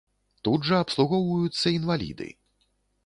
Тут жа абслугоўваюцца інваліды.